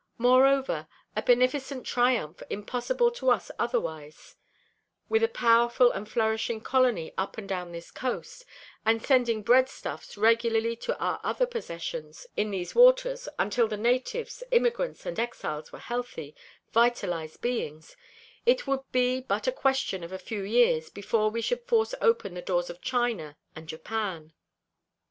Moreover a beneficent triumph impossible to us otherwise with a powerful and flourishing colony up and down this coast, and sending breadstuffs regularly to our other possessions in these waters until the natives, immigrants, and exiles were healthy, vitalized beings, it would be but a question of a few years before we should force open the doors of China and Japan."